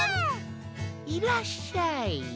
いらっしゃい。